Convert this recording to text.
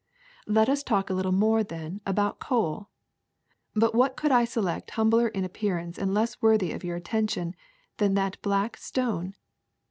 *^Let us talk a little more, then, about coal. But what could I select humbler in appearance and less worthy of your attention than that black stone!